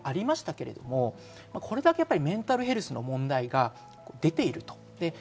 さらに、相手の中で双方向とありましたけれども、これだけメンタルヘルスの問題が出ていると。